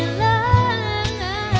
cinta pertama bagi diri